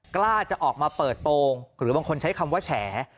กล้าจะออกมาเปิดโปรงหรือบางคนใช้คำว่าแฉ